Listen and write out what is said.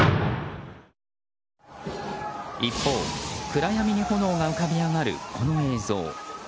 一方、暗闇に炎が浮かび上がるこの映像。